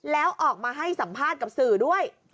แล้วออกมาให้สัมภาษณ์กับสื่อด้วย